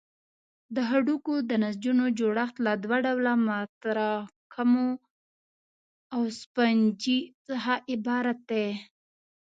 د هډوکو د نسجونو جوړښت له دوه ډوله متراکمو او سفنجي څخه عبارت دی.